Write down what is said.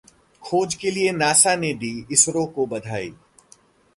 खोज के लिए नासा ने दी इसरो को बधाई